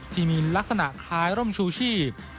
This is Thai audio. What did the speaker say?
ที่มีลักษณะคล้ายร่มชูชีพ